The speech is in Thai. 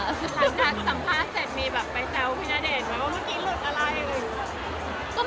สำหรับสัมภาษณ์มีแบบไปแจ๊วพี่ณเดชน์